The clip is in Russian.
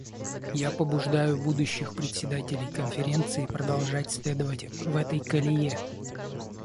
Я побуждаю будущих председателей Конференции продолжать следовать в этой колее.